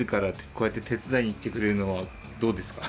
こうやって手伝いに来てくれるのはどうですか？